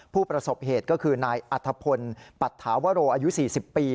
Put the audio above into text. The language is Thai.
ผู้ประสบเหตุก็คือนายอัธพลปัตถาวโรอายุ๔๐ปี